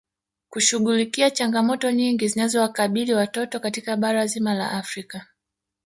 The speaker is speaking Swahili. Kushughulikia changamoto nyingi zinazowakabili watoto katika bara zima la Afrika